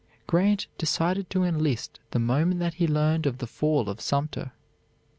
Grant decided to enlist the moment that he learned of the fall of Sumter.